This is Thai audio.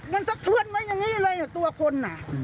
มันสะเทือนไว้อย่างนี้เลยตัวคน